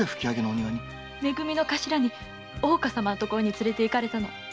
め組の頭に大岡様のところに連れて行かれたの。